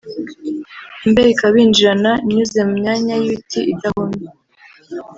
imbeho ikabinjirana nyuze mu myanya y’ibiti idahomye